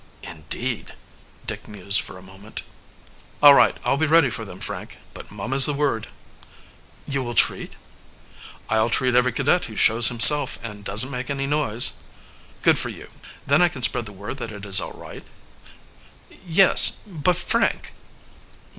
"Indeed!" Dick mused for a moment. "All right I'll be ready for them, Frank; but mum is the word." "You will treat?" "I'll treat every cadet who shows himself and doesn't make any noise." "Good for you! Then I can spread the word that it is all right?" "Yes but, Frank..."